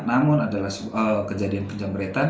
namun adalah kejadian kejamretan